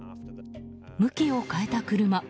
向きを変えた車。